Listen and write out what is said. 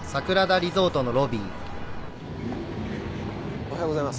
おはようございます。